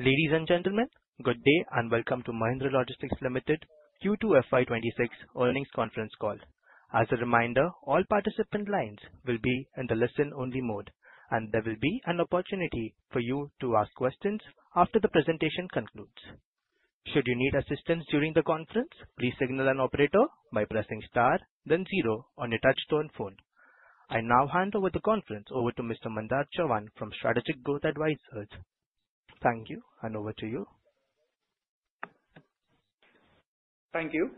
Ladies and gentlemen, good day and welcome to Mahindra Logistics Rampraveen Swaminathan, Q2 FY26 earnings conference call. As a reminder, all participant lines will be in the listen-only mode, and there will be an opportunity for you to ask questions after the presentation concludes. Should you need assistance during the conference, please signal an operator by pressing star, then zero on your touch-tone phone. I now hand over the conference to Mr. Mandar Chavan from Strategic Growth Advisors. Thank you, and over to you. Thank you.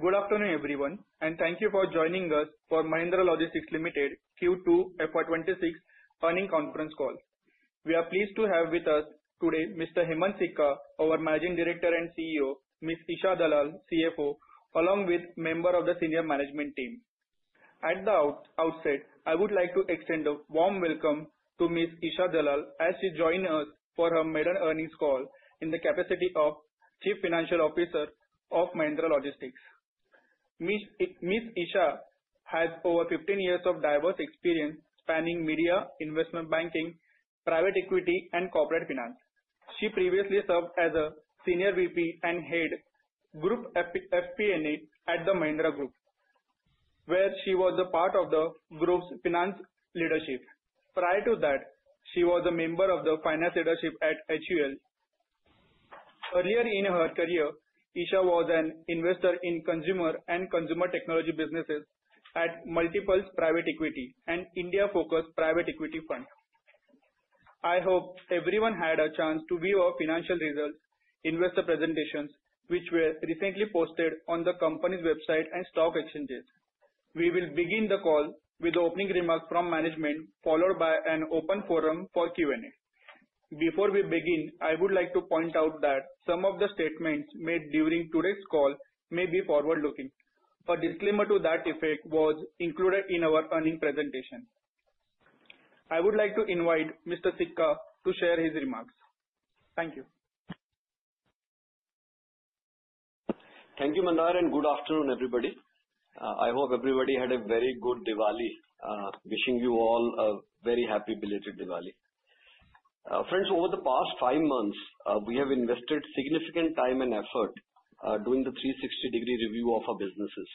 Good afternoon, everyone, and thank you for joining us for Mahindra Logistics Rampraveen Swaminathan, Q2 FY26 earnings conference call. We are pleased to have with us today Mr. Hemant Sikka, our Managing Director and CEO, Ms. Isha Dalal, CFO, along with a member of the senior management team. At the outset, I would like to extend a warm welcome to Ms. Isha Dalal as she joins us for her midterm earnings call in the capacity of Chief Financial Officer of Mahindra Logistics. Ms. Isha has over 15 years of diverse experience spanning media, investment banking, private equity, and corporate finance. She previously served as a Senior VP and Head Group FP&A at the Mahindra Group, where she was a part of the Group's finance leadership. Prior to that, she was a member of the finance leadership at HUL. Earlier in her career, Isha was an investor in consumer and consumer technology businesses at Multiple Private Equity and India Focus Private Equity Fund. I hope everyone had a chance to view our financial results investor presentations, which were recently posted on the company's website and stock exchanges. We will begin the call with opening remarks from management, followed by an open forum for Q&A. Before we begin, I would like to point out that some of the statements made during today's call may be forward-looking. A disclaimer to that effect was included in our earnings presentation. I would like to invite Mr. Sikka to share his remarks. Thank you. Thank you, Mandar, and good afternoon, everybody. I hope everybody had a very good Diwali, wishing you all a very happy belated Diwali. Friends, over the past five months, we have invested significant time and effort doing the 360-degree review of our businesses.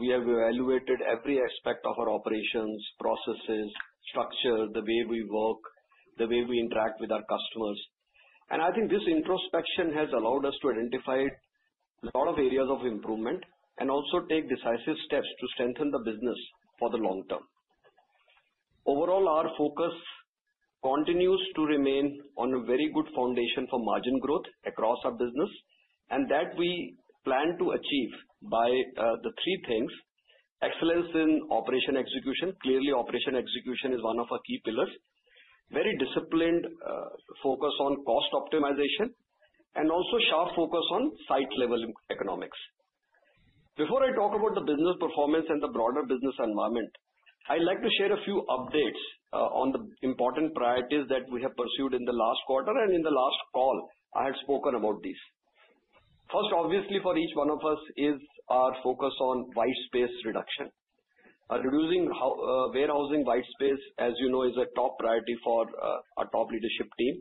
We have evaluated every aspect of our operations, processes, structure, the way we work, the way we interact with our customers, and I think this introspection has allowed us to identify a lot of areas of improvement and also take decisive steps to strengthen the business for the long term. Overall, our focus continues to remain on a very good foundation for margin growth across our business, and that we plan to achieve by the three things: excellence in operation execution, clearly operation execution is one of our key pillars, very disciplined focus on cost optimization, and also sharp focus on site-level economics. Before I talk about the business performance and the broader business environment, I'd like to share a few updates on the important priorities that we have pursued in the last quarter, and in the last call, I had spoken about these. First, obviously, for each one of us is our focus on White Space reduction. Reducing warehousing White Space, as you know, is a top priority for our top leadership team.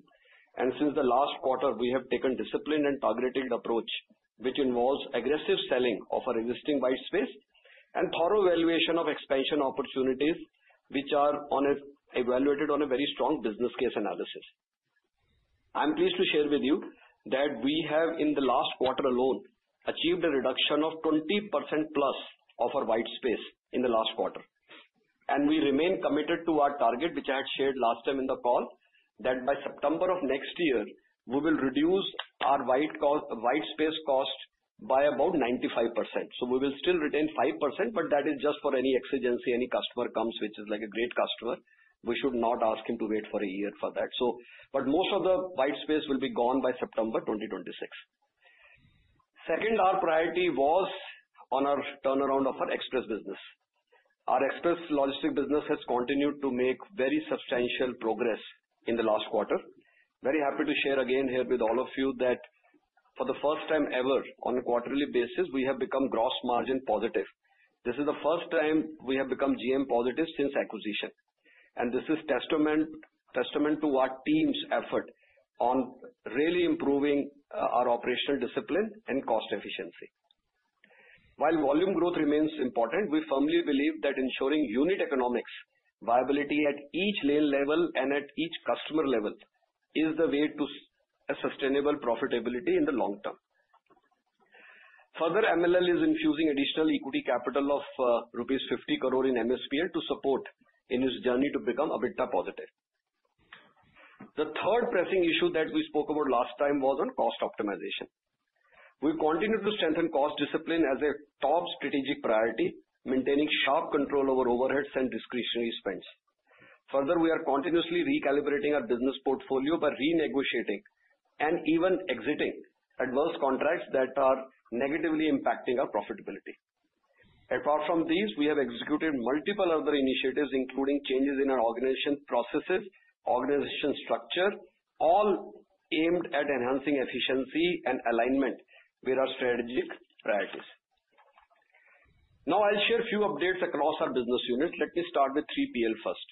And since the last quarter, we have taken a disciplined and targeted approach, which involves aggressive selling of our existing White Space and thorough evaluation of expansion opportunities, which are evaluated on a very strong business case analysis. I'm pleased to share with you that we have, in the last quarter alone, achieved a reduction of 20% plus of our White Space in the last quarter. And we remain committed to our target, which I had shared last time in the call, that by September of next year, we will reduce our white space cost by about 95%. So we will still retain 5%, but that is just for any exigency. Any customer comes, which is like a great customer, we should not ask him to wait for a year for that. But most of the white space will be gone by September 2026. Second, our priority was on our turnaround of our express business. Our express logistics business has continued to make very substantial progress in the last quarter. Very happy to share again here with all of you that for the first time ever, on a quarterly basis, we have become gross margin positive. This is the first time we have become GM positive since acquisition. And this is a testament to our team's effort on really improving our operational discipline and cost efficiency. While volume growth remains important, we firmly believe that ensuring unit economics viability at each lane level and at each customer level is the way to sustainable profitability in the long term. Further, MLL is infusing additional equity capital of rupees 50 crore in MSPL to support in its journey to become EBITDA positive. The third pressing issue that we spoke about last time was on cost optimization. We continue to strengthen cost discipline as a top strategic priority, maintaining sharp control over overheads and discretionary spends. Further, we are continuously recalibrating our business portfolio by renegotiating and even exiting adverse contracts that are negatively impacting our profitability. Apart from these, we have executed multiple other initiatives, including changes in our organization processes, organization structure, all aimed at enhancing efficiency and alignment with our strategic priorities. Now, I'll share a few updates across our business units. Let me start with 3PL first.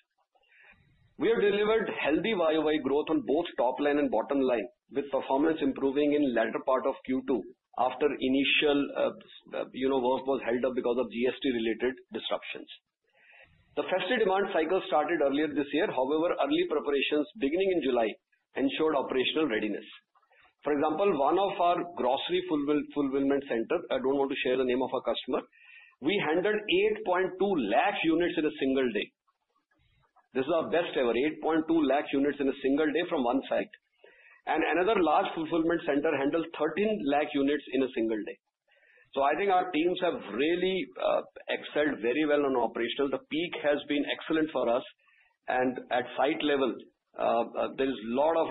We have delivered healthy YOY growth on both top line and bottom line, with performance improving in the latter part of Q2 after initial work was held up because of GST-related disruptions. The festive demand cycle started earlier this year. However, early preparations beginning in July ensured operational readiness. For example, one of our grocery fulfillment centers, I don't want to share the name of our customer, we handled 8.2 lakh units in a single day. This is our best ever: 8.2 lakh units in a single day from one site, and another large fulfillment center handled 13 lakh units in a single day. I think our teams have really excelled very well on operational. The peak has been excellent for us. And at site level, there is a lot of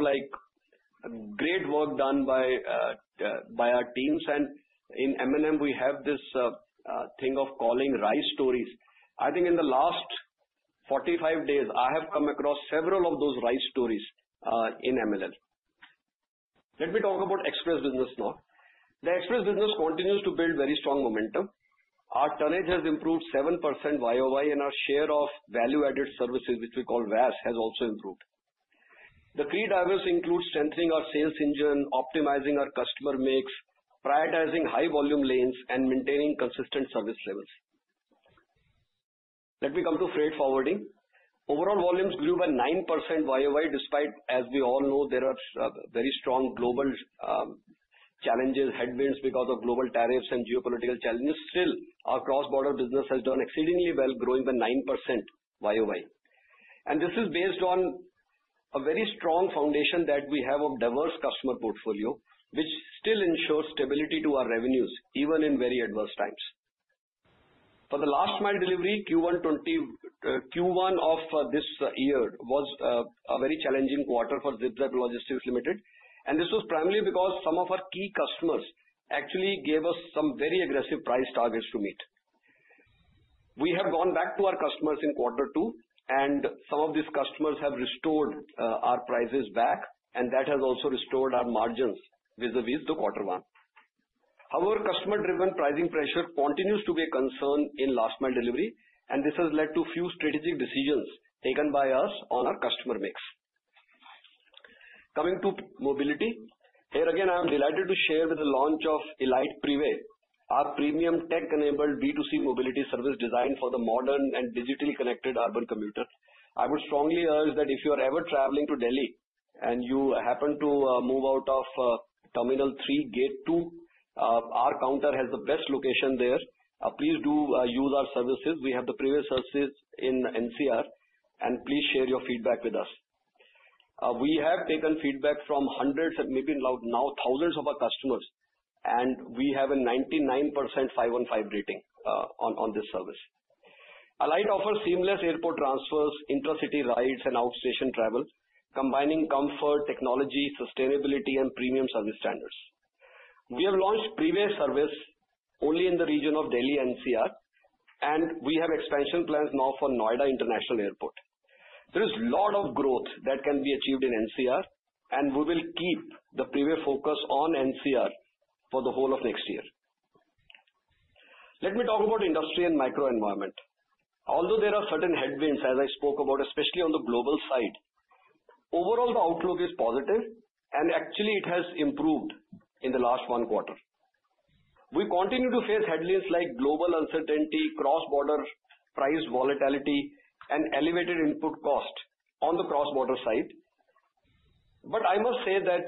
great work done by our teams. And in M&M, we have this thing of calling rise stories. I think in the last 45 days, I have come across several of those rise stories in MLL. Let me talk about express business now. The express business continues to build very strong momentum. Our tonnage has improved 7% YOY, and our share of value-added services, which we call VAS, has also improved. The key drivers include strengthening our sales engine, optimizing our customer mix, prioritizing high-volume lanes, and maintaining consistent service levels. Let me come to freight forwarding. Overall volumes grew by 9% YOY, despite, as we all know, there are very strong global challenges, headwinds because of global tariffs and geopolitical challenges. Still, our cross-border business has done exceedingly well, growing by 9% YOY, and this is based on a very strong foundation that we have of a diverse customer portfolio, which still ensures stability to our revenues, even in very adverse times. For the last mile delivery, Q1 of this year was a very challenging quarter for ZipZap Logistics Limited, and this was primarily because some of our key customers actually gave us some very aggressive price targets to meet. We have gone back to our customers in quarter two, and some of these customers have restored our prices back, and that has also restored our margins vis-à-vis the quarter one. However, customer-driven pricing pressure continues to be a concern in last mile delivery, and this has led to a few strategic decisions taken by us on our customer mix. Coming to mobility, here again, I am delighted to share with the launch of Alyte Prive, our premium tech-enabled B2C mobility service designed for the modern and digitally connected urban commuter. I would strongly urge that if you are ever traveling to Delhi and you happen to move out of Terminal 3, Gate 2, our counter has the best location there. Please do use our services. We have the Prive services in NCR, and please share your feedback with us. We have taken feedback from hundreds, maybe now thousands of our customers, and we have a 99% 515 rating on this service. Alyte offers seamless airport transfers, intra-city rides, and outstation travel, combining comfort, technology, sustainability, and premium service standards. We have launched Prive service only in the region of Delhi, NCR, and we have expansion plans now for Noida International Airport. There is a lot of growth that can be achieved in NCR, and we will keep the Elite Prive focus on NCR for the whole of next year. Let me talk about industry and micro-environment. Although there are certain headwinds, as I spoke about, especially on the global side, overall the outlook is positive, and actually, it has improved in the last one quarter. We continue to face headwinds like global uncertainty, cross-border price volatility, and elevated input cost on the cross-border side. But I must say that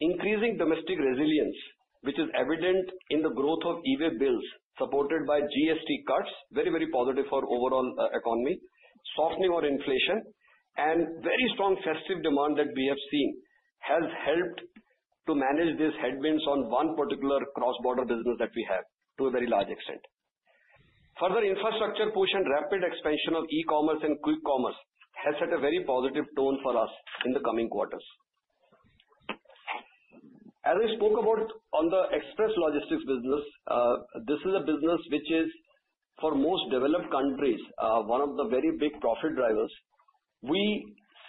increasing domestic resilience, which is evident in the growth of E-way bills supported by GST cuts, very, very positive for the overall economy, softening our inflation, and very strong festive demand that we have seen has helped to manage these headwinds on one particular cross-border business that we have to a very large extent. Further, infrastructure push and rapid expansion of e-commerce and quick commerce has set a very positive tone for us in the coming quarters. As I spoke about on the express logistics business, this is a business which is, for most developed countries, one of the very big profit drivers. We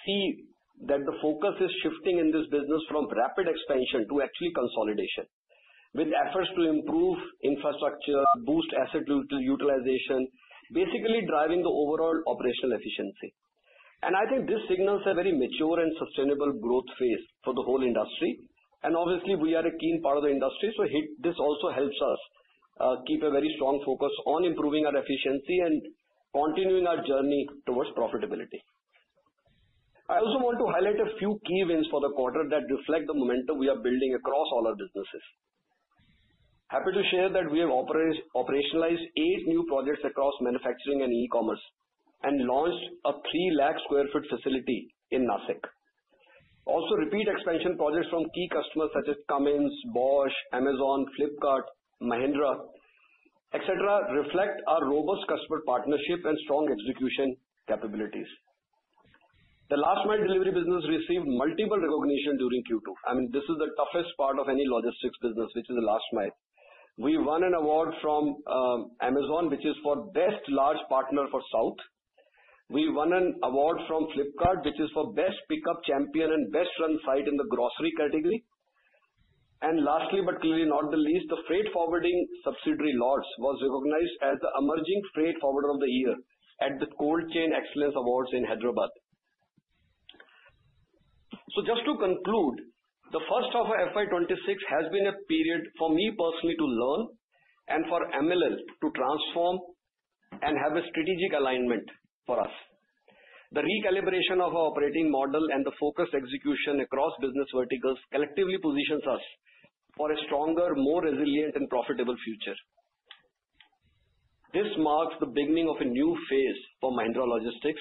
see that the focus is shifting in this business from rapid expansion to actually consolidation, with efforts to improve infrastructure, boost asset utilization, basically driving the overall operational efficiency. And I think this signals a very mature and sustainable growth phase for the whole industry. And obviously, we are a keen part of the industry. So this also helps us keep a very strong focus on improving our efficiency and continuing our journey towards profitability. I also want to highlight a few key wins for the quarter that reflect the momentum we are building across all our businesses. Happy to share that we have operationalized eight new projects across manufacturing and e-commerce and launched a 3 lakh sq ft facility in Nashik. Also, repeat expansion projects from key customers such as Cummins, Bosch, Amazon, Flipkart, Mahindra, etc., reflect our robust customer partnership and strong execution capabilities. The last mile delivery business received multiple recognitions during Q2. I mean, this is the toughest part of any logistics business, which is the last mile. We won an award from Amazon, which is for best large partner for South. We won an award from Flipkart, which is for best pickup champion and best run site in the grocery category. And lastly, but clearly not the least, the freight forwarding subsidiary LORTS was recognized as the emerging freight forwarder of the year at the Cold Chain Excellence Awards in Hyderabad. So just to conclude, the first half of FY26 has been a period for me personally to learn and for MLL to transform and have a strategic alignment for us. The recalibration of our operating model and the focused execution across business verticals collectively positions us for a stronger, more resilient, and profitable future. This marks the beginning of a new phase for Mahindra Logistics,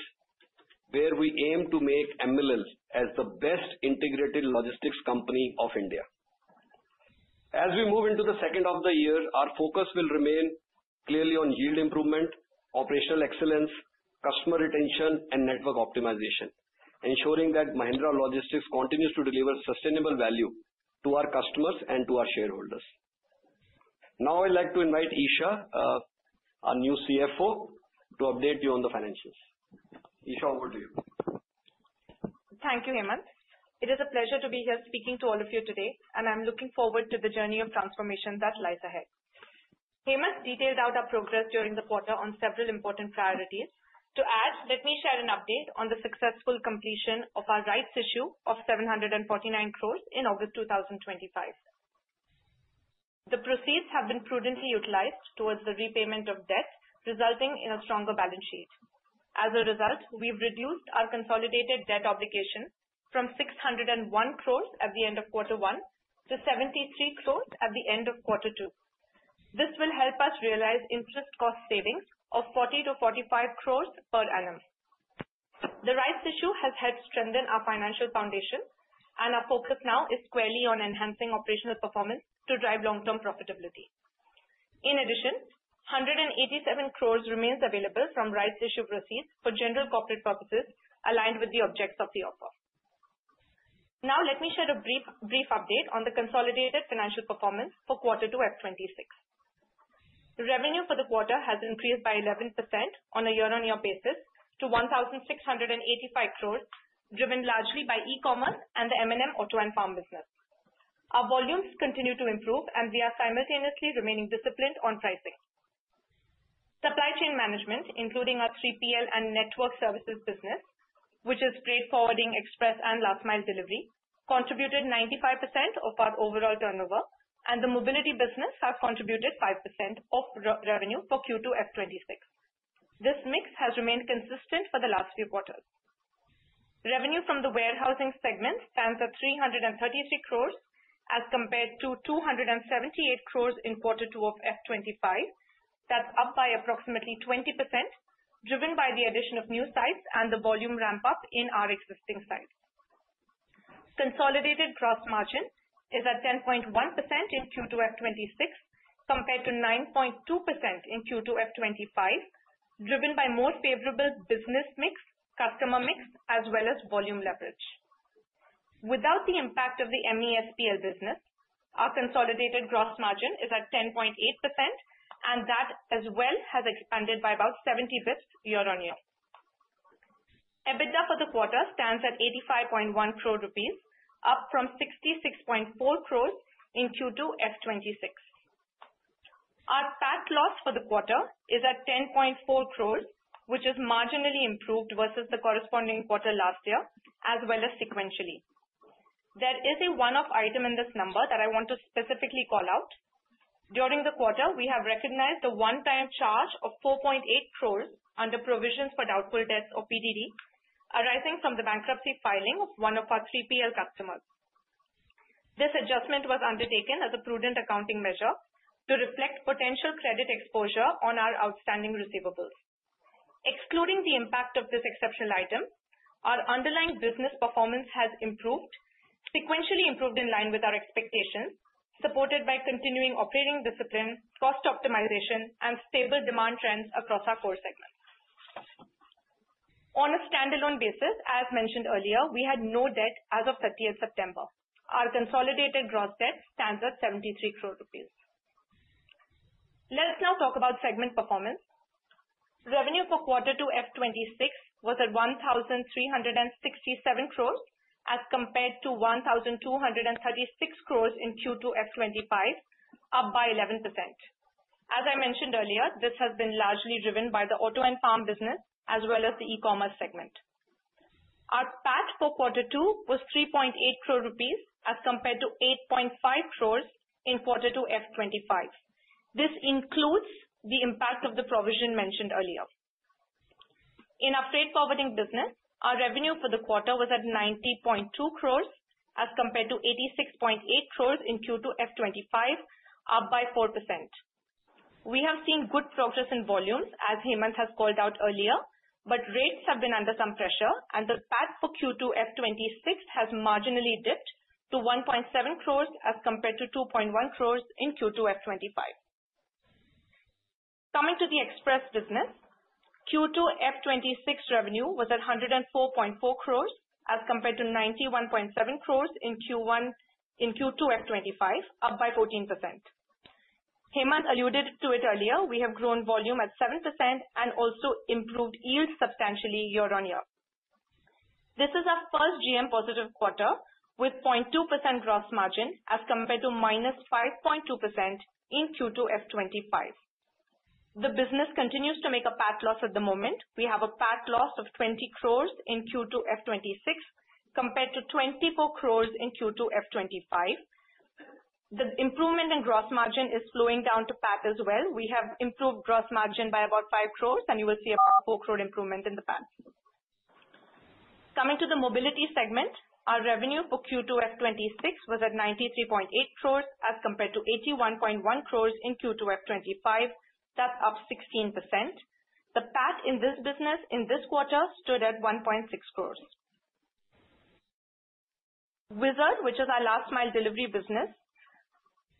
where we aim to make MLL as the best integrated logistics company of India. As we move into the second half of the year, our focus will remain clearly on yield improvement, operational excellence, customer retention, and network optimization, ensuring that Mahindra Logistics continues to deliver sustainable value to our customers and to our shareholders. Now, I'd like to invite Isha, our new CFO, to update you on the financials. Isha, over to you. Thank you, Hemant. It is a pleasure to be here speaking to all of you today, and I'm looking forward to the journey of transformation that lies ahead. Hemant detailed out our progress during the quarter on several important priorities. To add, let me share an update on the successful completion of our rights issue of 749 crores in August 2025. The proceeds have been prudently utilized towards the repayment of debt, resulting in a stronger balance sheet. As a result, we've reduced our consolidated debt obligation from 601 crores at the end of quarter one to 73 crores at the end of quarter two. This will help us realize interest cost savings of 40 to 45 crores per annum. The rights issue has helped strengthen our financial foundation, and our focus now is squarely on enhancing operational performance to drive long-term profitability. In addition, 187 crores remains available from rights issue proceeds for general corporate purposes aligned with the objects of the offer. Now, let me share a brief update on the consolidated financial performance for quarter two of 2026. Revenue for the quarter has increased by 11% on a year-on-year basis to 1,685 crores, driven largely by e-commerce and the M&M auto and farm business. Our volumes continue to improve, and we are simultaneously remaining disciplined on pricing. Supply chain management, including our 3PL and network services business, which is freight forwarding, express, and last mile delivery, contributed 95% of our overall turnover, and the mobility business has contributed 5% of revenue for Q2 of 2026. This mix has remained consistent for the last few quarters. Revenue from the warehousing segment stands at 333 crores as compared to 278 crores in quarter two of 2025. That's up by approximately 20%, driven by the addition of new sites and the volume ramp-up in our existing sites. Consolidated gross margin is at 10.1% in Q2 of 2026 compared to 9.2% in Q2 of 2025, driven by more favorable business mix, customer mix, as well as volume leverage. Without the impact of the MESPL business, our consolidated gross margin is at 10.8%, and that as well has expanded by about 70 basis points year-on-year. EBITDA for the quarter stands at ₹85.1 crore, up from ₹66.4 crores in Q2 of 2026. Our PAT loss for the quarter is at ₹10.4 crores, which is marginally improved versus the corresponding quarter last year, as well as sequentially. There is a one-off item in this number that I want to specifically call out. During the quarter, we have recognized the one-time charge of ₹4.8 crores under provisions for doubtful debts of PDD, arising from the bankruptcy filing of one of our 3PL customers. This adjustment was undertaken as a prudent accounting measure to reflect potential credit exposure on our outstanding receivables. Excluding the impact of this exceptional item, our underlying business performance has improved, sequentially improved in line with our expectations, supported by continuing operating discipline, cost optimization, and stable demand trends across our core segments. On a standalone basis, as mentioned earlier, we had no debt as of 30 September. Our consolidated gross debt stands at ₹73 crore. Let's now talk about segment performance. Revenue for quarter two of 2026 was at ₹1,367 crores as compared to ₹1,236 crores in Q2 of 2025, up by 11%. As I mentioned earlier, this has been largely driven by the auto and farm business as well as the e-commerce segment. Our PAT for quarter two was 3.8 crore rupees as compared to 8.5 crore in quarter two of 2025. This includes the impact of the provision mentioned earlier. In our freight forwarding business, our revenue for the quarter was at 90.2 crore as compared to 86.8 crore in Q2 of 2025, up by 4%. We have seen good progress in volumes, as Hemant has called out earlier, but rates have been under some pressure, and the PAT for Q2 of 2026 has marginally dipped to 1.7 crore as compared to 2.1 crore in Q2 of 2025. Coming to the express business, Q2 of 2026 revenue was at 104.4 crore as compared to 91.7 crore in Q2 of 2025, up by 14%. Hemant alluded to it earlier. We have grown volume at 7% and also improved yield substantially year-on-year. This is our first GM-positive quarter with 0.2% gross margin as compared to minus 5.2% in Q2 of 2025. The business continues to make a PAT loss at the moment. We have a PAT loss of 20 crores in Q2 of 2026 compared to 24 crores in Q2 of 2025. The improvement in gross margin is slowing down to PAT as well. We have improved gross margin by about 5 crores, and you will see a 4-crore improvement in the PAT. Coming to the mobility segment, our revenue for Q2 of 2026 was at 93.8 crores as compared to 81.1 crores in Q2 of 2025. That's up 16%. The PAT in this business in this quarter stood at 1.6 crores. Whizzard, which is our last mile delivery business,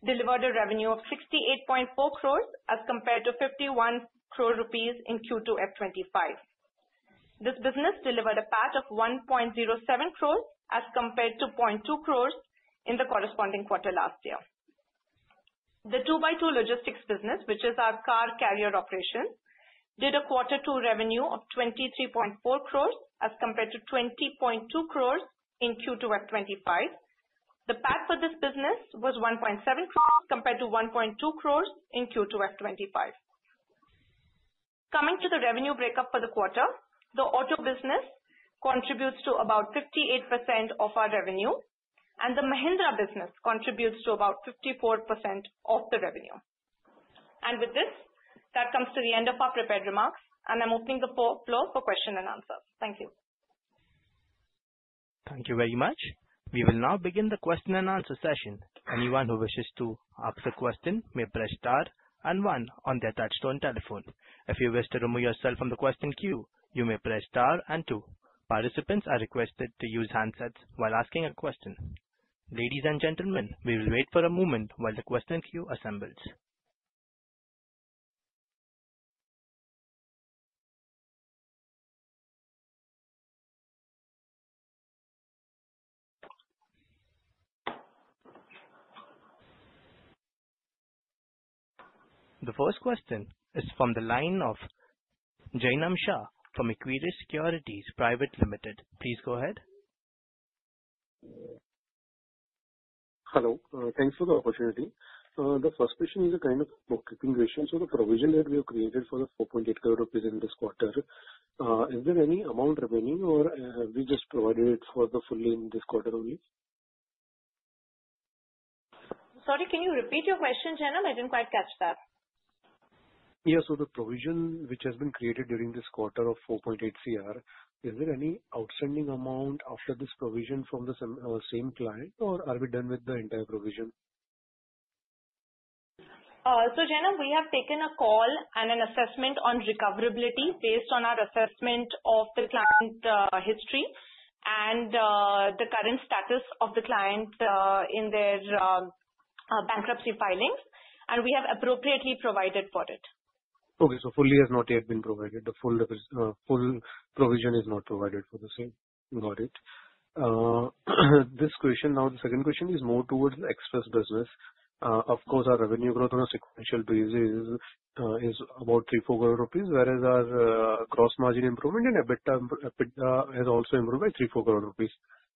delivered a revenue of ₹68.4 crore as compared to ₹51 crore in Q2 of 2025. This business delivered a PAT of ₹1.07 crore as compared to ₹0.2 crore in the corresponding quarter last year. The 2x2 Logistics business, which is our car carrier operation, did a quarter two revenue of ₹23.4 crore as compared to ₹20.2 crore in Q2 of 2025. The PAT for this business was ₹1.7 crore compared to ₹1.2 crore in Q2 of 2025. Coming to the revenue breakup for the quarter, the auto business contributes to about 58% of our revenue, and the Mahindra business contributes to about 54% of the revenue. And with this, that comes to the end of our prepared remarks, and I'm opening the floor for questions and answers. Thank you. Thank you very much. We will now begin the question and answer session. Anyone who wishes to ask a question may press star and one on the touch-tone telephone. If you wish to remove yourself from the question queue, you may press star and two. Participants are requested to use handsets while asking a question. Ladies and gentlemen, we will wait for a moment while the question queue assembles. The first question is from the line of Jainam Shah from Equirus Securities Private Limited. Please go ahead. Hello. Thanks for the opportunity. The first question is a kind of bookkeeping question. So the provision that we have created for the 4.8 crore rupees in this quarter, is there any amount remaining or have we just provided it further fully in this quarter only? Sorry, can you repeat your question, Jainam? I didn't quite catch that. Yeah, so the provision which has been created during this quarter of 4.8 crore, is there any outstanding amount after this provision from the same client, or are we done with the entire provision? So Jainam, we have taken a call and an assessment on recoverability based on our assessment of the client history and the current status of the client in their bankruptcy filings, and we have appropriately provided for it. Okay, so fully has not yet been provided. The full provision is not provided for the same. Got it. This question now, the second question is more towards the express business. Of course, our revenue growth on a sequential basis is about 3-4 crore rupees, whereas our gross margin improvement in EBITDA has also improved by 3-4 crore rupees.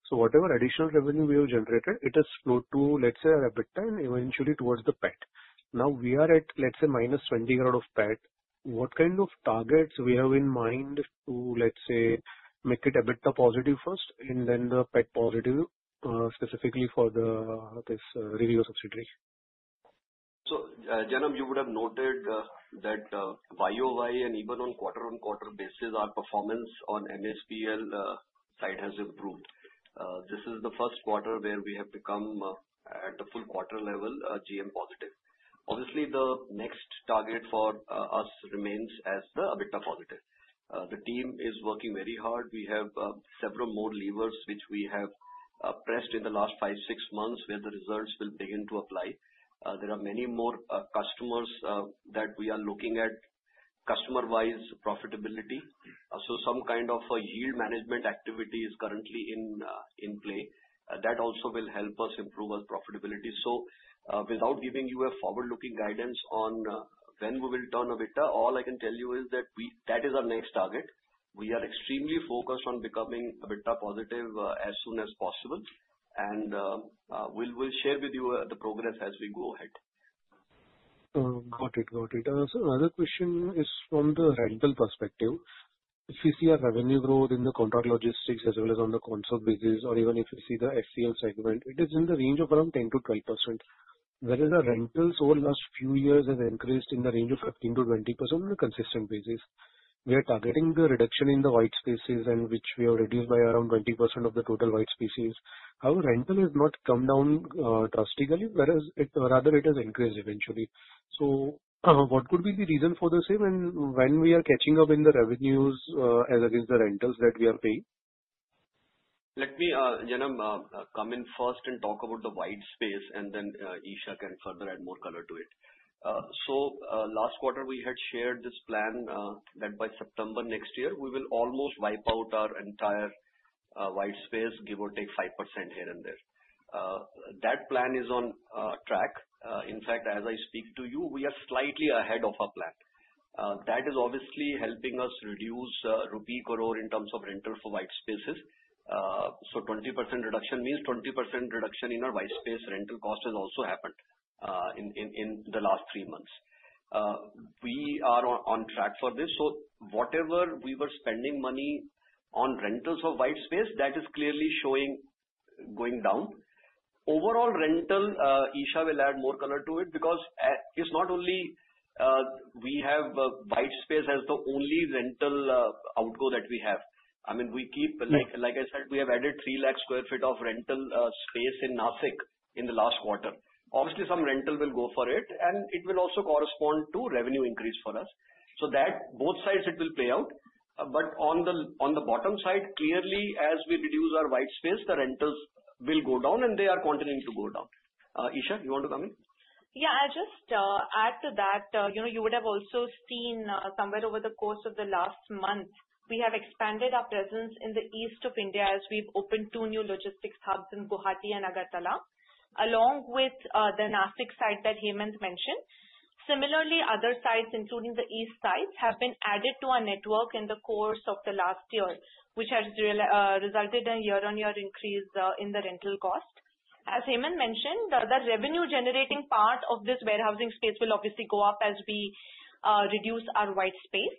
So whatever additional revenue we have generated, it has flowed to, let's say, our EBITDA and eventually towards the PAT. Now we are at, let's say, -20 crore of PAT. What kind of targets we have in mind to, let's say, make it EBITDA positive first and then the PAT positive, specifically for this Rivigo subsidiary? So Jainam, you would have noted that YOY and even on quarter-on-quarter basis, our performance on MSPL side has improved. This is the first quarter where we have become, at the full quarter level, GM-positive. Obviously, the next target for us remains as the EBITDA positive. The team is working very hard. We have several more levers which we have pressed in the last five, six months where the results will begin to apply. There are many more customers that we are looking at customer-wise profitability. So some kind of a yield management activity is currently in play. That also will help us improve our profitability. So without giving you a forward-looking guidance on when we will turn EBITDA, all I can tell you is that that is our next target. We are extremely focused on becoming EBITDA positive as soon as possible, and we will share with you the progress as we go ahead. Got it. Got it. So another question is from the rental perspective. If we see a revenue growth in the contract logistics as well as on the consult basis, or even if we see the SCL segment, it is in the range of around 10%-12%. Whereas our rentals over the last few years have increased in the range of 15%-20% on a consistent basis. We are targeting the reduction in the white spaces, which we have reduced by around 20% of the total white spaces. However, rental has not come down drastically, whereas rather it has increased eventually. So what could be the reason for the same when we are catching up in the revenues as against the rentals that we are paying? Let me, Jainam, come in first and talk about the white space, and then Isha can further add more color to it. So last quarter, we had shared this plan that by September next year, we will almost wipe out our entire white space, give or take 5% here and there. That plan is on track. In fact, as I speak to you, we are slightly ahead of our plan. That is obviously helping us reduce ₹ crore in terms of rental for white spaces. So 20% reduction means 20% reduction in our white space rental cost has also happened in the last three months. We are on track for this. So whatever we were spending money on rentals of white space, that is clearly showing going down. Overall rental, Isha will add more color to it because it's not only we have white space as the only rental outgo that we have. I mean, we keep, like I said, we have added 3 lakh sq ft of rental space in Nashik in the last quarter. Obviously, some rental will go for it, and it will also correspond to revenue increase for us. So that both sides, it will play out. But on the bottom side, clearly, as we reduce our white space, the rentals will go down, and they are continuing to go down. Isha, you want to come in? Yeah, I'll just add to that. You would have also seen somewhere over the course of the last month, we have expanded our presence in the east of India as we've opened two new logistics hubs in Guwahati and Agartala, along with the Nashik site that Hemant mentioned. Similarly, other sites, including the east side, have been added to our network in the course of the last year, which has resulted in a year-on-year increase in the rental cost. As Hemant mentioned, the revenue-generating part of this warehousing space will obviously go up as we reduce our white space.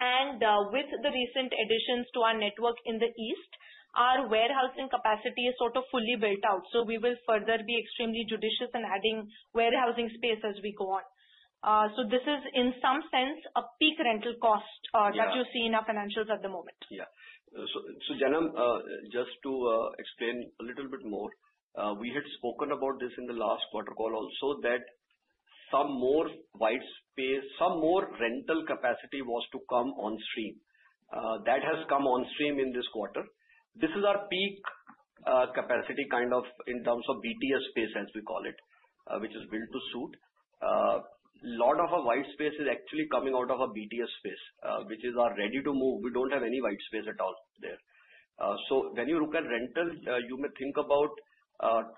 And with the recent additions to our network in the east, our warehousing capacity is sort of fully built out. So we will further be extremely judicious in adding warehousing space as we go on. So this is, in some sense, a peak rental cost that you see in our financials at the moment. Yeah. So Jainam, just to explain a little bit more, we had spoken about this in the last quarter call also that some more white space, some more rental capacity was to come on stream. That has come on stream in this quarter. This is our peak capacity kind of in terms of BTS space, as we call it, which is built to suit. A lot of our white space is actually coming out of our BTS space, which is our ready-to-move. We don't have any white space at all there. So when you look at rental, you may think about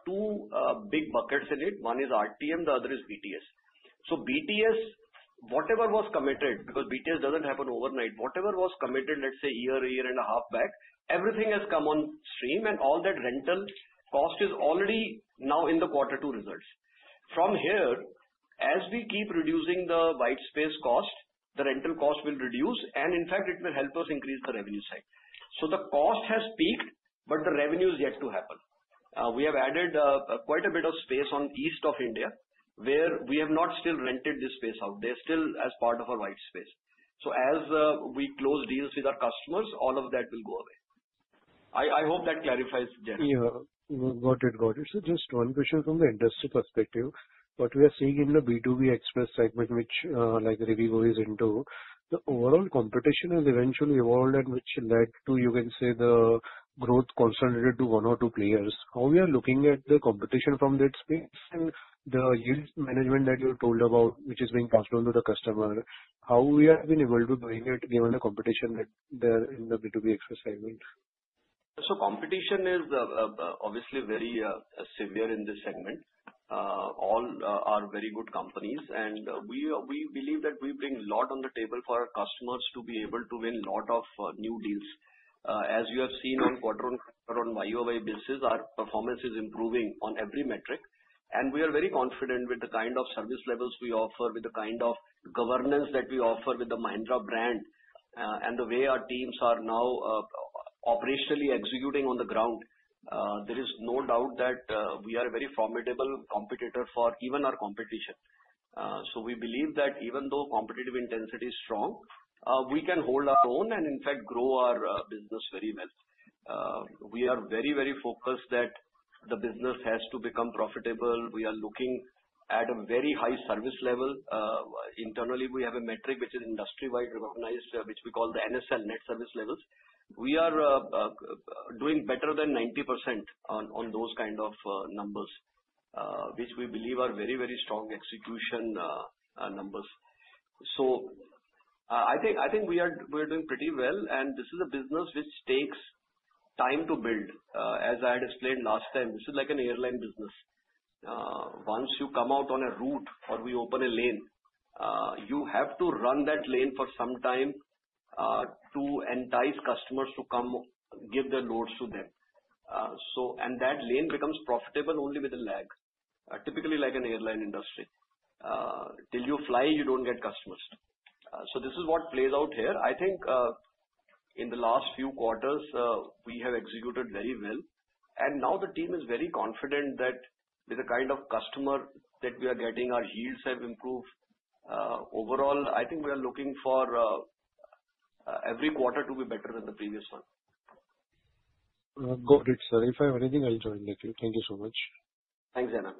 two big buckets in it. One is RTM, the other is BTS. So, BTS, whatever was committed, because BTS doesn't happen overnight, whatever was committed, let's say, a year, a year and a half back, everything has come on stream, and all that rental cost is already now in the quarter two results. From here, as we keep reducing the white space cost, the rental cost will reduce, and in fact, it will help us increase the revenue side. So the cost has peaked, but the revenue is yet to happen. We have added quite a bit of space in East India where we have not still rented this space out. They're still a part of our white space. So as we close deals with our customers, all of that will go away. I hope that clarifies, Jainam. Got it. Got it. So just one question from the industry perspective. What we are seeing in the B2B express segment, which Rivigo is into, the overall competition has eventually evolved and which led to, you can say, the growth concentrated to one or two players. How we are looking at the competition from that space and the yield management that you told about, which is being passed on to the customer, how we have been able to bring it given the competition there in the B2B express segment? So competition is obviously very severe in this segment. All are very good companies, and we believe that we bring a lot on the table for our customers to be able to win a lot of new deals. As you have seen on quarter-on-quarter on YOY basis, our performance is improving on every metric, and we are very confident with the kind of service levels we offer, with the kind of governance that we offer with the Mahindra brand, and the way our teams are now operationally executing on the ground. There is no doubt that we are a very formidable competitor for even our competition. So we believe that even though competitive intensity is strong, we can hold our own and, in fact, grow our business very well. We are very, very focused that the business has to become profitable. We are looking at a very high service level. Internally, we have a metric which is industry-wide recognized, which we call the NSL, net service levels. We are doing better than 90% on those kind of numbers, which we believe are very, very strong execution numbers. So I think we are doing pretty well, and this is a business which takes time to build. As I had explained last time, this is like an airline business. Once you come out on a route or we open a lane, you have to run that lane for some time to entice customers to come give their loads to them. And that lane becomes profitable only with a lag, typically like an airline industry. Till you fly, you don't get customers. So this is what plays out here. I think in the last few quarters, we have executed very well, and now the team is very confident that with the kind of customer that we are getting, our yields have improved. Overall, I think we are looking for every quarter to be better than the previous one. Got it, sir. If I have anything, I'll join the queue. Thank you so much. Thanks, Jainam.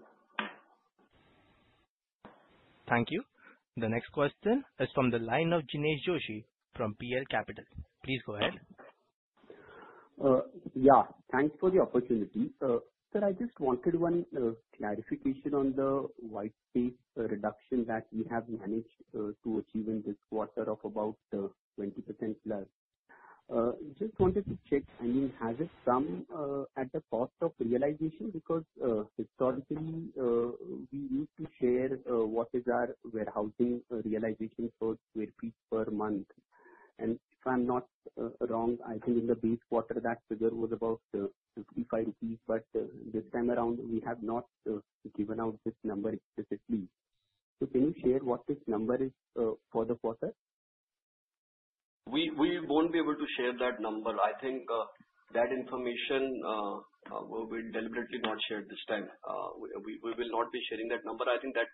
Thank you. The next question is from the line of Jinesh Joshi from PL Capital. Please go ahead. Yeah. Thanks for the opportunity. Sir, I just wanted one clarification on the white space reduction that we have managed to achieve in this quarter of about 20% plus. Just wanted to check, I mean, has it come at the cost of realization? Because historically, we used to share what is our warehousing realization per square feet per month, and if I'm not wrong, I think in the base quarter, that figure was about 55 rupees, but this time around, we have not given out this number explicitly. So can you share what this number is for the quarter? We won't be able to share that number. I think that information will deliberately not shared this time. We will not be sharing that number. I think that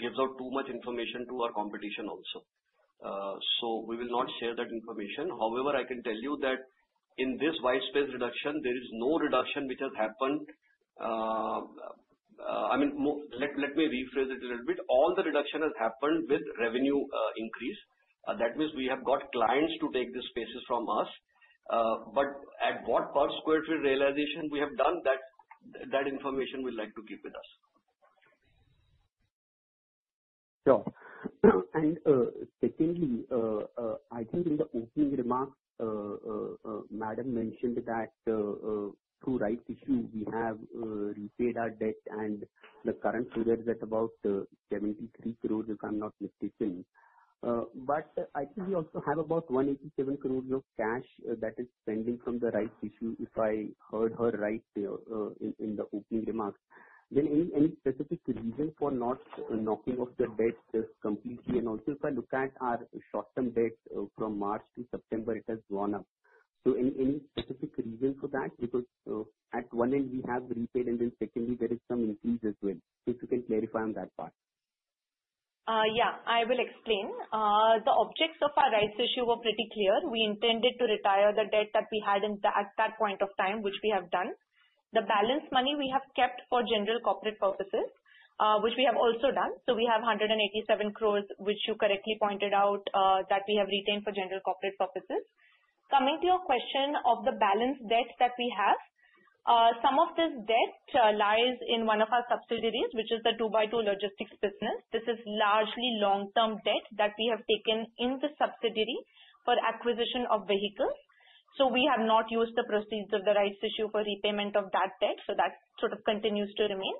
gives out too much information to our competition also. So we will not share that information. However, I can tell you that in this white space reduction, there is no reduction which has happened. I mean, let me rephrase it a little bit. All the reduction has happened with revenue increase. That means we have got clients to take the spaces from us. But at what per sq ft realization we have done, that information we'd like to keep with us. Sure. And secondly, I think in the opening remarks, Madam mentioned that through Rights Issue, we have repaid our debt, and the current figure is at about 73 crore, if I'm not mistaken. But I think we also have about 187 crore of cash that is pending from the Rights Issue, if I heard her right in the opening remarks. Then any specific reason for not knocking off the debt completely? And also, if I look at our short-term debt from March to September, it has gone up. So any specific reason for that? Because at one end, we have repaid, and then secondly, there is some increase as well. If you can clarify on that part. Yeah, I will explain. The objects of our Rights issue were pretty clear. We intended to retire the debt that we had at that point of time, which we have done. The balance money we have kept for general corporate purposes, which we have also done. So we have ₹187 crore, which you correctly pointed out, that we have retained for general corporate purposes. Coming to your question of the balance debt that we have, some of this debt lies in one of our subsidiaries, which is the 2x2 Logistics business. This is largely long-term debt that we have taken in the subsidiary for acquisition of vehicles. So we have not used the proceeds of the Rights Issue for repayment of that debt. So that sort of continues to remain.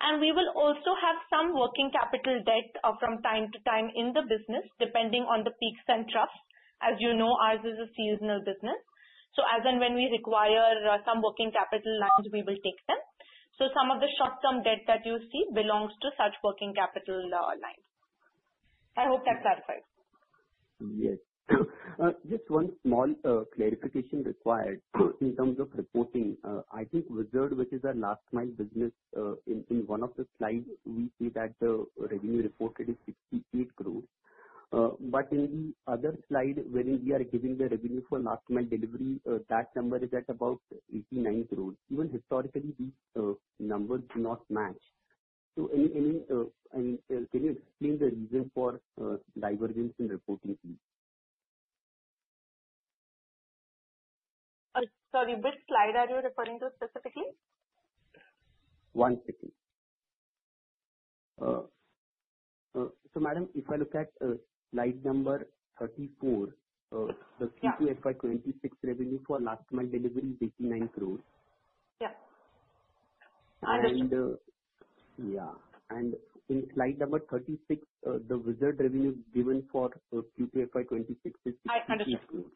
And we will also have some working capital debt from time to time in the business, depending on the peaks and troughs. As you know, ours is a seasonal business. So as and when we require some working capital lines, we will take them. So some of the short-term debt that you see belongs to such working capital lines. I hope that clarifies. Yes. Just one small clarification required in terms of reporting. I think Whizzard, which is our last mile business, in one of the slides, we see that the revenue reported is 68 crore. But in the other slide, when we are giving the revenue for last mile delivery, that number is at about 89 crore. Even historically, these numbers do not match. So can you explain the reason for divergence in reporting fees? Sorry, which slide are you referring to specifically? One second. So Madam, if I look at slide number 34, the Q2 FY 26 revenue for last mile delivery is 89 crore. Yeah. Understood. Yeah. And in slide number 36, the Whizzard revenue given for Q2 FY 26 is 68 crore. Understood.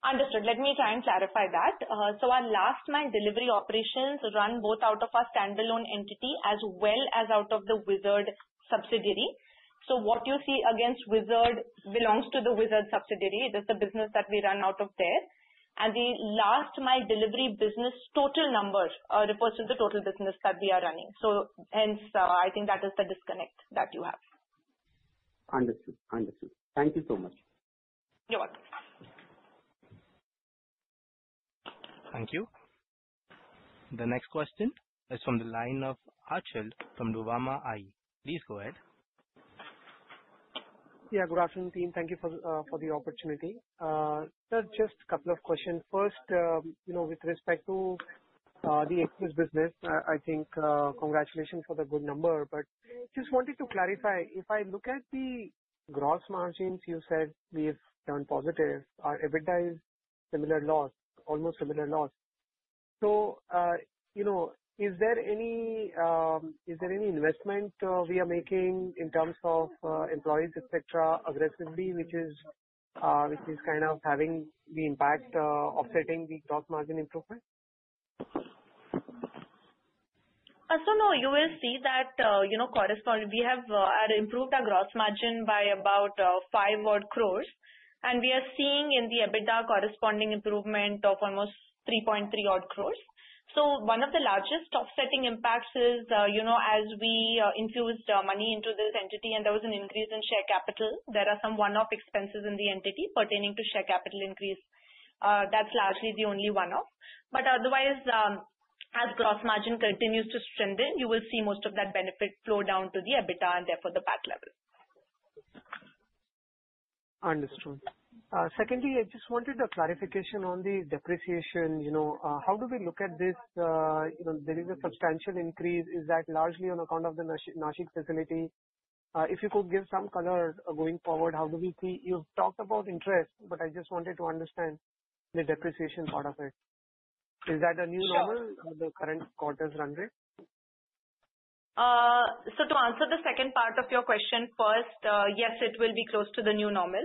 Understood. Let me try and clarify that. So our last mile delivery operations run both out of our standalone entity as well as out of the Whizzard subsidiary. So what you see against Whizzard belongs to the Whizzard subsidiary. It is the business that we run out of there. And the last mile delivery business total number refers to the total business that we are running. So hence, I think that is the disconnect that you have. Understood. Understood. Thank you so much. You're welcome. Thank you. The next question is from the line of Archel from Nuvama. Please go ahead. Yeah, good afternoon, team. Thank you for the opportunity. Sir, just a couple of questions. First, with respect to the express business, I think congratulations for the good number, but just wanted to clarify. If I look at the gross margins, you said we've turned positive. Our EBITDA is similar loss, almost similar loss. So is there any investment we are making in terms of employees, etc., aggressively, which is kind of having the impact of setting the gross margin improvement? So no, you will see that corresponding. We have improved our gross margin by about 5 odd crores, and we are seeing in the EBITDA corresponding improvement of almost 3.3 odd crores. So one of the largest offsetting impacts is as we infused money into this entity, and there was an increase in share capital. There are some one-off expenses in the entity pertaining to share capital increase. That's largely the only one-off. But otherwise, as gross margin continues to strengthen, you will see most of that benefit flow down to the EBITDA and therefore the PAC level. Understood. Secondly, I just wanted a clarification on the depreciation. How do we look at this? There is a substantial increase. Is that largely on account of the Nashik facility? If you could give some color going forward, how do we see? You've talked about interest, but I just wanted to understand the depreciation part of it. Is that a new normal or the current quarter's run rate? So to answer the second part of your question first, yes, it will be close to the new normal.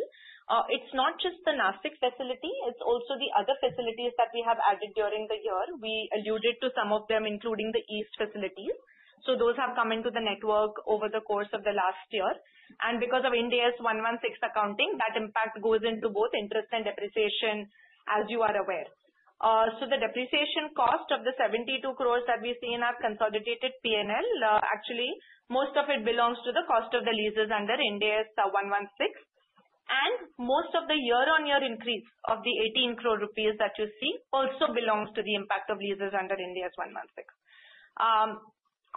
It's not just the Nashik facility. It's also the other facilities that we have added during the year. We alluded to some of them, including the east facilities. So those have come into the network over the course of the last year. And because of India's 116 accounting, that impact goes into both interest and depreciation, as you are aware. So the depreciation cost of the 72 crores that we see in our consolidated P&L, actually, most of it belongs to the cost of the leases under India's 116. And most of the year-on-year increase of the 18 crore rupees that you see also belongs to the impact of leases under India's 116.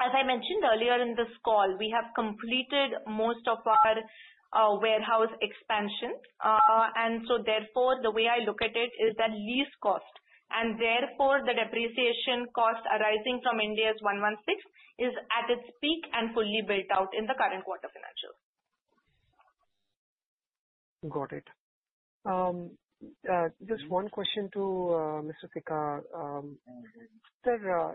As I mentioned earlier in this call, we have completed most of our warehouse expansion. And so therefore, the way I look at it is that lease cost and therefore the depreciation cost arising from Ind AS 116 is at its peak and fully built out in the current quarter financials. Got it. Just one question to Mr. Sikka. Sir,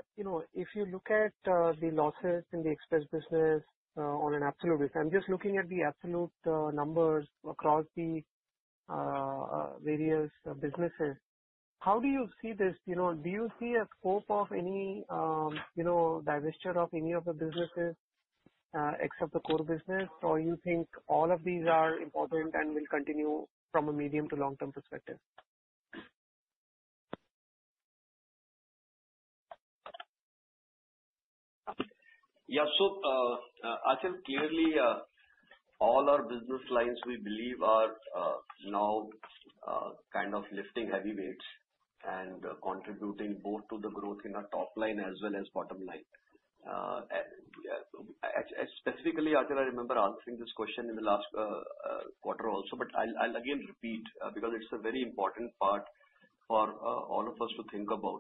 if you look at the losses in the express business on an absolute basis, I'm just looking at the absolute numbers across the various businesses. How do you see this? Do you see a scope of any divestiture of any of the businesses except the core business? Or you think all of these are important and will continue from a medium to long-term perspective? Yeah. So I think clearly all our business lines, we believe, are now kind of lifting heavyweights and contributing both to the growth in our top line as well as bottom line. Specifically, Archal, I remember answering this question in the last quarter also, but I'll again repeat because it's a very important part for all of us to think about.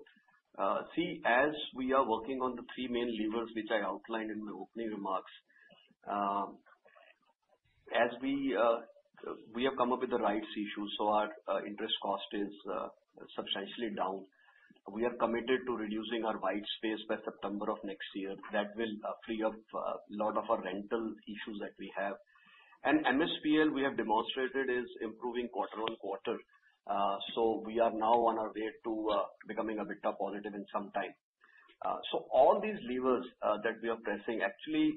See, as we are working on the three main levers, which I outlined in the opening remarks, as we have come up with the rights issue, so our interest cost is substantially down. We are committed to reducing our white space by September of next year. That will free up a lot of our rental issues that we have. And MSPL, we have demonstrated, is improving quarter on quarter. So we are now on our way to becoming a bit of positive in some time. So all these levers that we are pressing actually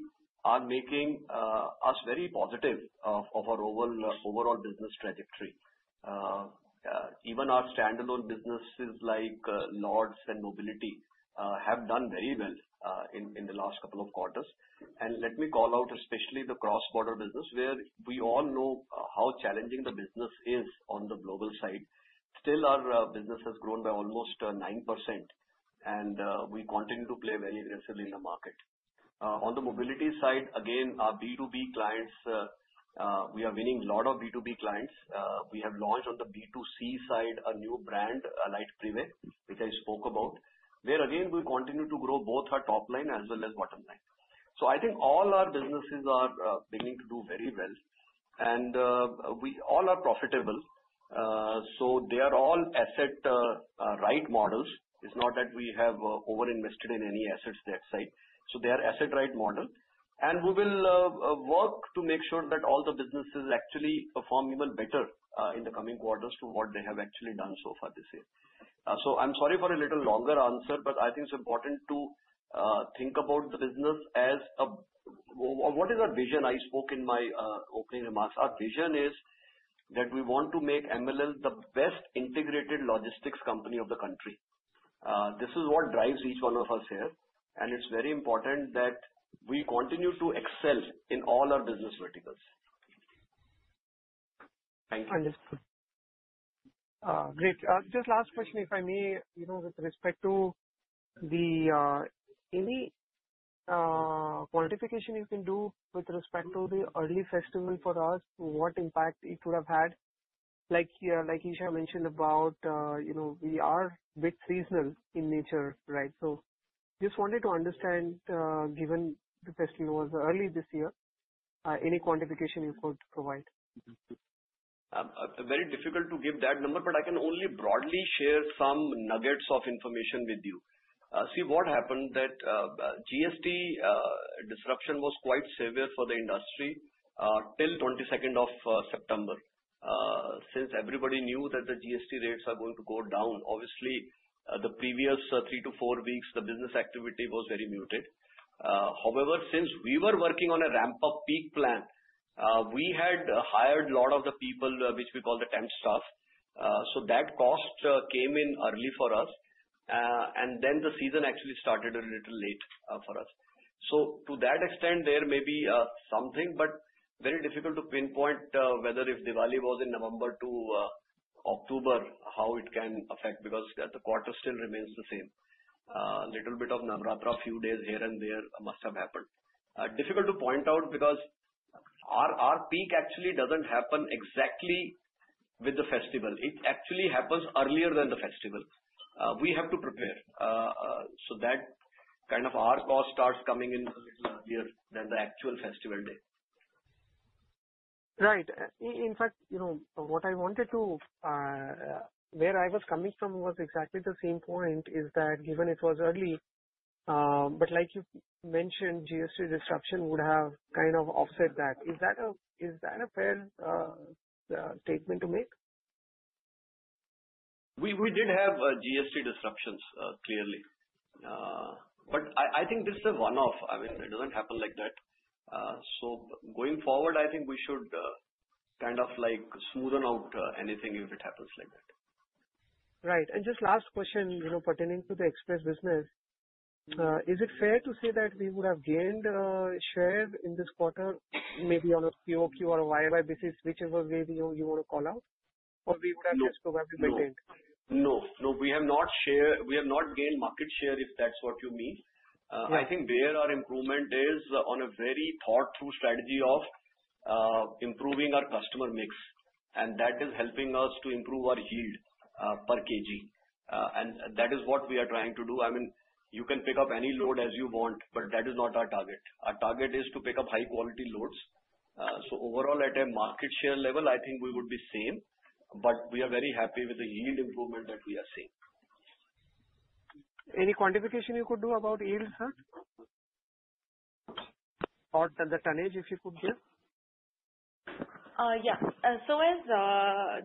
are making us very positive of our overall business trajectory. Even our standalone businesses like Lords and Mobility have done very well in the last couple of quarters, and let me call out especially the cross-border business, where we all know how challenging the business is on the global side. Still, our business has grown by almost nine%, and we continue to play very aggressively in the market. On the mobility side, again, our B2B clients, we are winning a lot of B2B clients. We have launched on the B2C side a new brand, Elite Prive, which I spoke about, where, again, we continue to grow both our top line as well as bottom line, so I think all our businesses are beginning to do very well, and we all are profitable, so they are all asset-light models. It's not that we have over-invested in any assets that side. So they are asset-right model. And we will work to make sure that all the businesses actually perform even better in the coming quarters to what they have actually done so far this year. So I'm sorry for a little longer answer, but I think it's important to think about the business as, what is our vision? I spoke in my opening remarks. Our vision is that we want to make MLL the best integrated logistics company of the country. This is what drives each one of us here. And it's very important that we continue to excel in all our business verticals. Thank you. Understood. Great. Just last question, if I may, with respect to any quantification you can do with respect to the early festival for us, what impact it would have had? Like Isha mentioned about, we are a bit seasonal in nature, right? So just wanted to understand, given the festival was early this year, any quantification you could provide? Very difficult to give that number, but I can only broadly share some nuggets of information with you. See, what happened that GST disruption was quite severe for the industry till 22nd of September. Since everybody knew that the GST rates are going to go down, obviously, the previous three to four weeks, the business activity was very muted. However, since we were working on a ramp-up peak plan, we had hired a lot of the people, which we call the temp staff. So that cost came in early for us. And then the season actually started a little late for us. So to that extent, there may be something, but very difficult to pinpoint whether if Diwali was in November to October, how it can affect because the quarter still remains the same. A little bit of Navratri, a few days here and there must have happened. Difficult to point out because our peak actually doesn't happen exactly with the festival. It actually happens earlier than the festival. We have to prepare so that kind of our cost starts coming in a little earlier than the actual festival day. Right. In fact, what I wanted to where I was coming from was exactly the same point, is that given it was early, but like you mentioned, GST disruption would have kind of offset that. Is that a fair statement to make? We did have GST disruptions, clearly. But I think this is a one-off. I mean, it doesn't happen like that. So going forward, I think we should kind of smoothen out anything if it happens like that. Right, and just last question pertaining to the express business. Is it fair to say that we would have gained a share in this quarter, maybe on a POQ or a YY basis, whichever way you want to call out? Or we would have just provided maintained? No. No. We have not gained market share, if that's what you mean. I think where our improvement is on a very thoughtful strategy of improving our customer mix, and that is helping us to improve our yield per kg, and that is what we are trying to do. I mean, you can pick up any load as you want, but that is not our target. Our target is to pick up high-quality loads. So overall, at a market share level, I think we would be same. But we are very happy with the yield improvement that we are seeing. Any quantification you could do about yields? Or the tonnage, if you could give? Yeah. So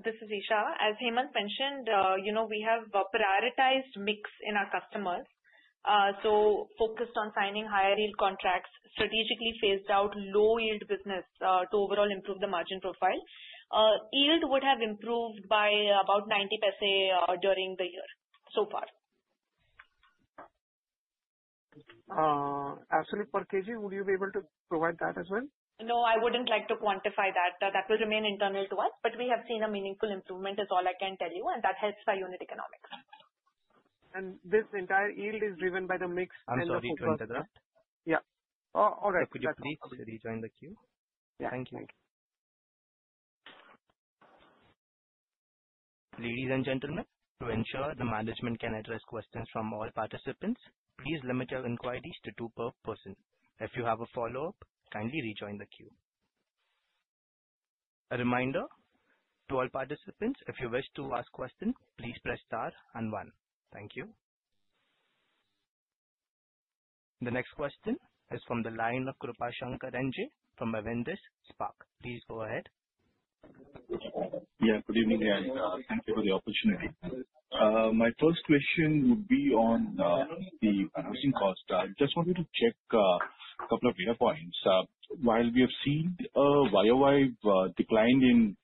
this is Isha. As Hemant mentioned, we have prioritized mix in our customers. So focused on signing higher yield contracts, strategically phased out low-yield business to overall improve the margin profile. Yield would have improved by about 90% during the year so far. Actually, per kg, would you be able to provide that as well? No, I wouldn't like to quantify that. That will remain internal to us. But we have seen a meaningful improvement, is all I can tell you. And that helps our unit economics. And this entire yield is driven by the mix. I'm sorry for interrupting. Yeah. All right. Could you please rejoin the queue? Thank you. Ladies and gentlemen, to ensure the management can address questions from all participants, please limit your inquiries to two per person. If you have a follow-up, kindly rejoin the queue. A reminder to all participants, if you wish to ask a question, please press star and one. Thank you. The next question is from the line of Krupashankar NJ from Avendus Spark. Please go ahead. Yeah. Good evening, and thank you for the opportunity. My first question would be on the managing cost. I just wanted to check a couple of data points. While we have seen YY declined in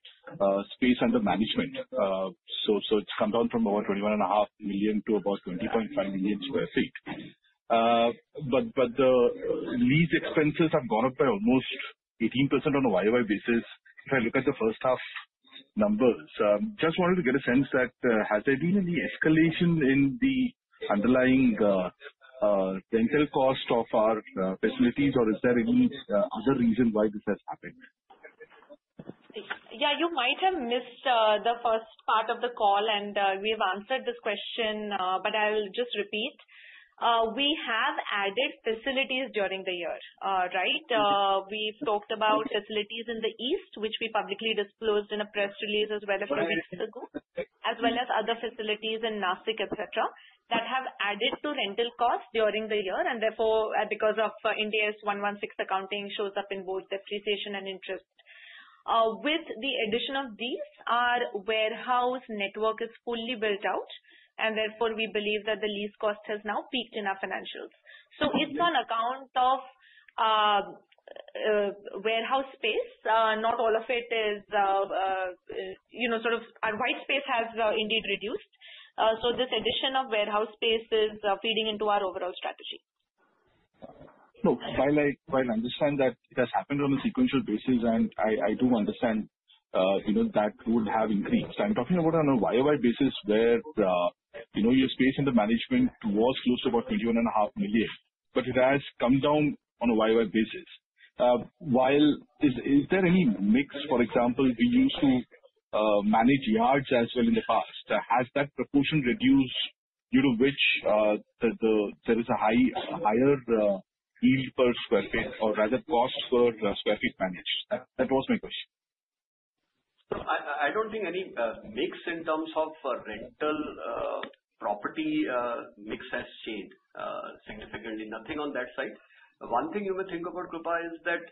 space under management, so it's come down from about 21.5 million to about 20.5 million sq ft. But the lease expenses have gone up by almost 18% on a YY basis if I look at the first half numbers. Just wanted to get a sense that has there been any escalation in the underlying rental cost of our facilities, or is there any other reason why this has happened? Yeah. You might have missed the first part of the call, and we have answered this question, but I'll just repeat. We have added facilities during the year, right? We've talked about facilities in the east, which we publicly disclosed in a press release as well a few weeks ago, as well as other facilities in Nashik, etc., that have added to rental costs during the year. And therefore, because of Ind AS 116 accounting shows up in both depreciation and interest, with the addition of these, our warehouse network is fully built out. And therefore, we believe that the lease cost has now peaked in our financials. So it's on account of warehouse space. Not all of it is sort of our white space has indeed reduced. So this addition of warehouse space is feeding into our overall strategy. No, I understand that it has happened on a sequential basis, and I do understand that would have increased. I'm talking about on a YY basis, where your space under management was close to about 21.5 million, but it has come down on a YY basis. Is there any mix? For example, we used to manage yards as well in the past. Has that proportion reduced due to which there is a higher yield per sq ft or rather cost per sq ft managed? That was my question. So I don't think any mix in terms of rental property mix has changed significantly. Nothing on that side. One thing you may think about, Krupa, is that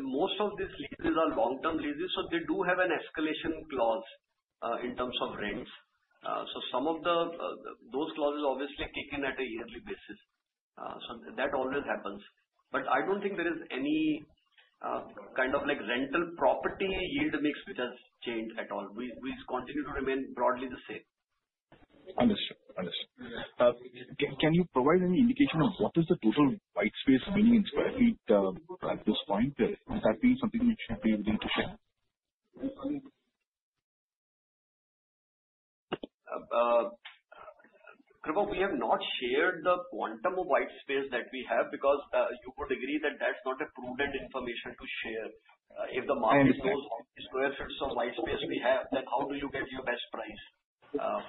most of these leases are long-term leases, so they do have an escalation clause in terms of rents. So some of those clauses obviously kick in at a yearly basis. So that always happens. But I don't think there is any kind of rental property yield mix which has changed at all. We continue to remain broadly the same. Understood. Understood. Can you provide any indication of what is the total white space meaning in square feet at this point? Is that being something you should be willing to share? Krupa, we have not shared the quantum of white space that we have because you would agree that that's not a prudent information to share. If the market knows how many square feet of white space we have, then how do you get your best price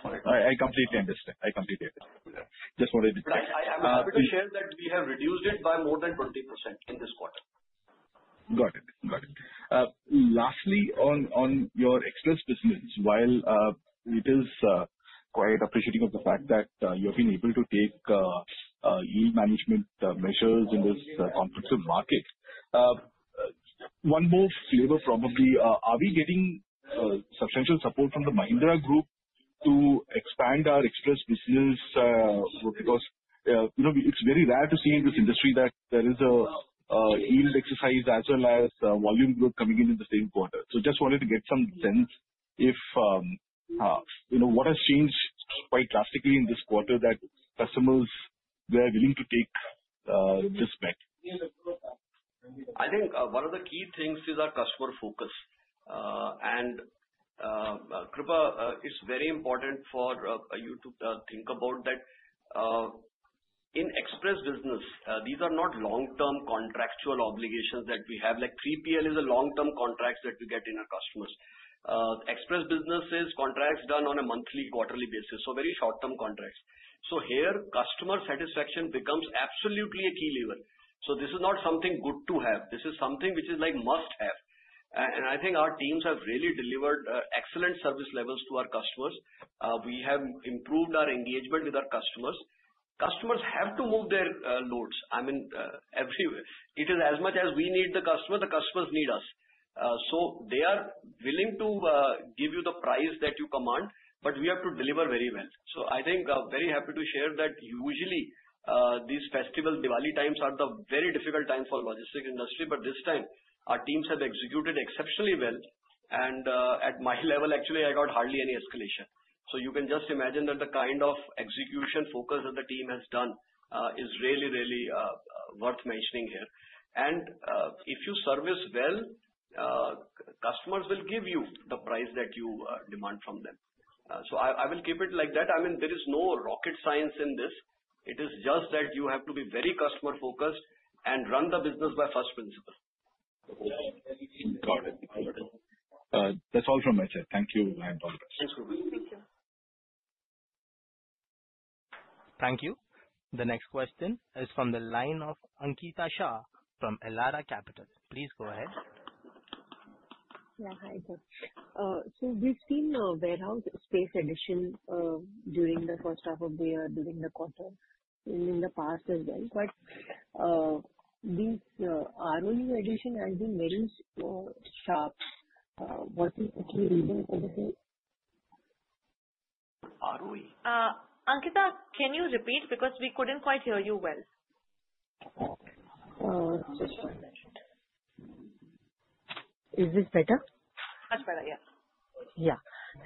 for it? I completely understand. I completely understand. Just wanted to check. But I'm happy to share that we have reduced it by more than 20% in this quarter. Got it. Got it. Lastly, on your express business, while it is quite appreciative of the fact that you have been able to take yield management measures in this competitive market, one more flavor probably. Are we getting substantial support from the Mahindra Group to expand our express business? Because it's very rare to see in this industry that there is a yield exercise as well as volume growth coming in the same quarter. So just wanted to get some sense if what has changed quite drastically in this quarter that customers, they are willing to take this bet? I think one of the key things is our customer focus. And Krupa, it's very important for you to think about that in express business. These are not long-term contractual obligations that we have. Like, 3PL is a long-term contract that we get in our customers. Express business is contracts done on a monthly, quarterly basis. So very short-term contracts. So here, customer satisfaction becomes absolutely a key level. So this is not something good to have. This is something which is like must-have. And I think our teams have really delivered excellent service levels to our customers. We have improved our engagement with our customers. Customers have to move their loads. I mean, it is as much as we need the customer. The customers need us. So they are willing to give you the price that you command, but we have to deliver very well. So I think I'm very happy to share that usually these festivals, Diwali times, are the very difficult time for the logistics industry. But this time, our teams have executed exceptionally well. And at my level, actually, I got hardly any escalation. So you can just imagine that the kind of execution focus that the team has done is really, really worth mentioning here. And if you service well, customers will give you the price that you demand from them. So I will keep it like that. I mean, there is no rocket science in this. It is just that you have to be very customer-focused and run the business by first principle. Got it. Got it. That's all from my side. Thank you. I'm all the best. Thank you. Thank you. The next question is from the line of Ankita Shah from Elara Capital. Please go ahead. Yeah. Hi, sir. So we've seen warehouse space addition during the first half of the year, during the quarter, and in the past as well. But these ROU addition has been very sharp. Was it a key reason for this? ROU? Ankita, can you repeat? Because we couldn't quite hear you well. Just one moment. Is this better? Much better, yes. Yeah.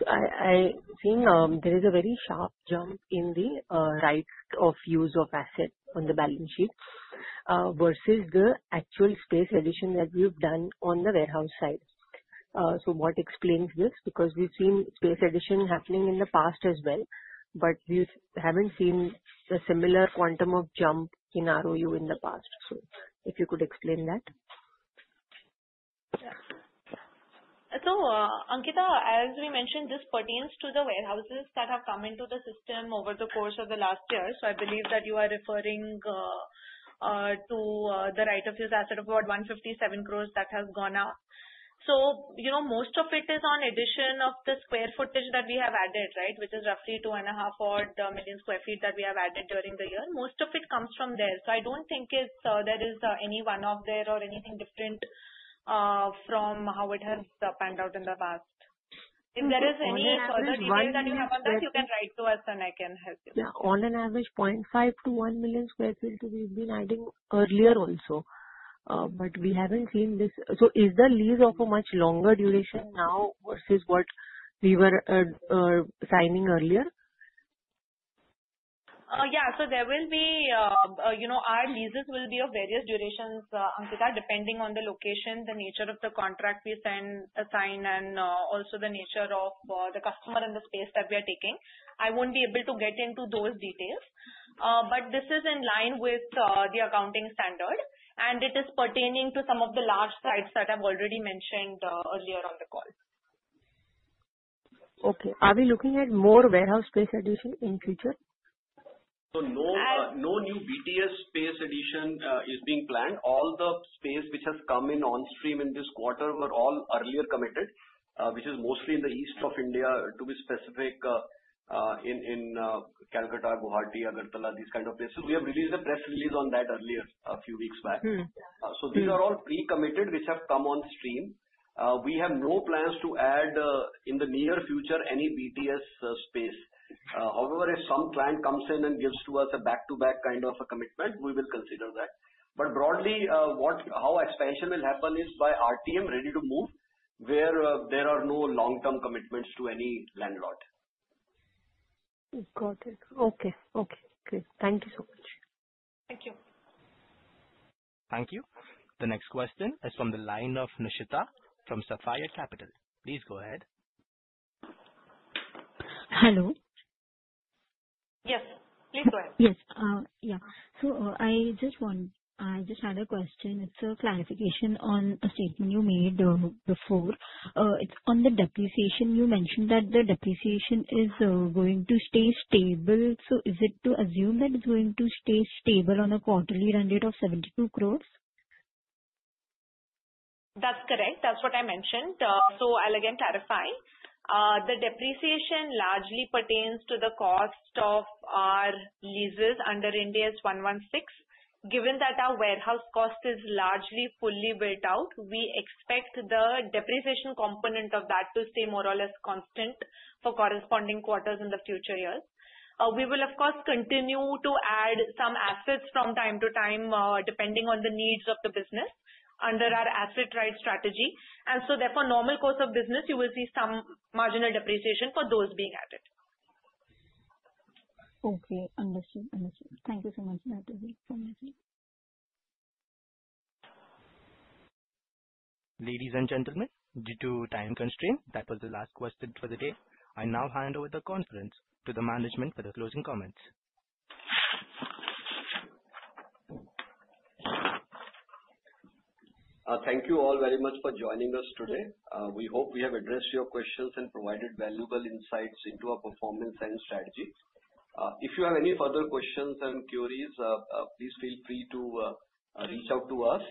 I think there is a very sharp jump in the rates of use of asset on the balance sheet versus the actual space addition that we've done on the warehouse side. So what explains this? Because we've seen space addition happening in the past as well, but we haven't seen a similar quantum of jump in ROU in the past. So if you could explain that. So Ankita, as we mentioned, this pertains to the warehouses that have come into the system over the course of the last year. So I believe that you are referring to the right of use asset of about 157 crores that has gone up. So most of it is on addition of the square footage that we have added, right, which is roughly 2.5 million sq ft that we have added during the year. Most of it comes from there. So I don't think there is any one-off there or anything different from how it has panned out in the past. If there is any further detail that you have on that, you can write to us, and I can help you. Yeah. On an average, 0.5-1 million sq ft we've been adding earlier also. But we haven't seen this. So is the lease of a much longer duration now versus what we were signing earlier? Yeah. So there will be our leases will be of various durations, Ankita, depending on the location, the nature of the contract we assign, and also the nature of the customer and the space that we are taking. I won't be able to get into those details. But this is in line with the accounting standard, and it is pertaining to some of the large sites that I've already mentioned earlier on the call. Okay. Are we looking at more warehouse space addition in future? So no new BTS space addition is being planned. All the space which has come in on stream in this quarter were all earlier committed, which is mostly in the east of India, to be specific, in Calcutta, Guwahati, Agartala, these kind of places. We have released a press release on that earlier a few weeks back. So these are all pre-committed which have come on stream. We have no plans to add in the near future any BTS space. However, if some client comes in and gives to us a back-to-back kind of a commitment, we will consider that. But broadly, how expansion will happen is by RTM ready to move, where there are no long-term commitments to any landlord. Got it. Okay. Okay. Good. Thank you so much. Thank you. Thank you. The next question is from the line of Nishita from Sapphire Capital. Please go ahead. Hello. Yes. Please go ahead. Yes. Yeah. So I just had a question. It's a clarification on a statement you made before. It's on the depreciation. You mentioned that the depreciation is going to stay stable. So is it to assume that it's going to stay stable on a quarterly rent rate of ₹72 crores? That's correct. That's what I mentioned. So I'll again clarify. The depreciation largely pertains to the cost of our leases under Ind AS 116. Given that our warehouse cost is largely fully built out, we expect the depreciation component of that to stay more or less constant for corresponding quarters in the future years. We will, of course, continue to add some assets from time to time depending on the needs of the business under our asset-right strategy. And so therefore, normal course of business, you will see some marginal depreciation for those being added. Okay. Understood. Understood. Thank you so much. Ladies and gentlemen, due to time constraint, that was the last question for the day. I now hand over the conference to the management for the closing comments. Thank you all very much for joining us today. We hope we have addressed your questions and queries. Please feel free to reach out to us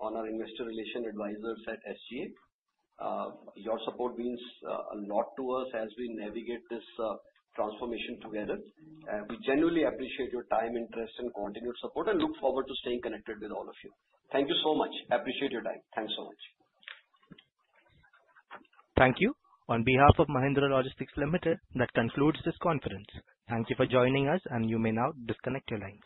on our investor relations advisors at SGA. Your support means a lot to us as we navigate this transformation together. We genuinely appreciate your time, interest, and continued support, and look forward to staying connected with all of you. Thank you so much. Appreciate your time. Thanks so much. Thank you. On behalf of Mahindra Logistics Limited, that concludes this conference. Thank you for joining us, and you may now disconnect your lines.